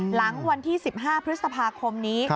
หลังวันที่๑๕พฤษภาคมนี้